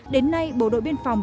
đến nay bộ đội biên phòng